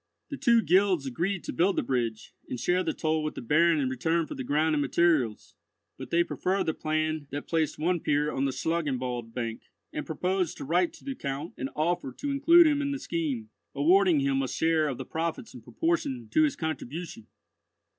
The two guilds agreed to build the bridge, and share the toll with the Baron in return for the ground and materials; but they preferred the plan that placed one pier on the Schlangenwald bank, and proposed to write to the Count an offer to include him in the scheme, awarding him a share of the profits in proportion to his contribution.